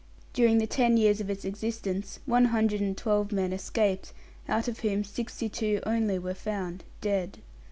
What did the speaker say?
During the ten years of its existence, one hundred and twelve men escaped, out of whom sixty two only were found dead.